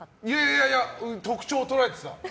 いやいや、特徴を捉えてた。